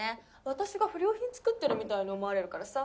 私が不良品つくってるみたいに思われるからさ